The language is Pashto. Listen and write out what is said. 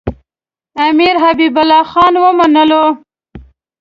امیر حبیب الله خان ومنلو.